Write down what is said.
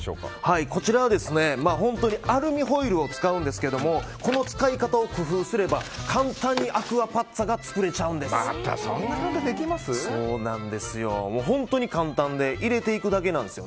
こちらはアルミホイルを使うんですけどこの使い方を工夫すれば簡単にアクアパッツァがまたそんな簡単にできます？